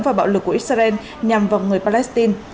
và bạo lực của israel nhằm vào người palestine